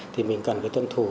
thì mình cần phải tuân thủ